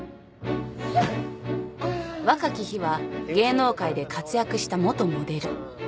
若き日は芸能界で活躍した元モデル。